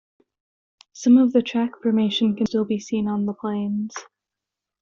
Some of the track formation can still be seen on The Plains.